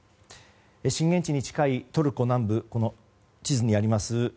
震源地に近いトルコ南部地図にあります